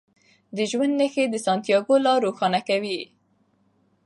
د ژوند نښې د سانتیاګو لار روښانه کوي.